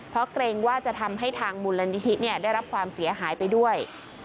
เพราะเกรงว่าจะทำให้ทางมูลนิธิได้รับความเสียหายไปด้วย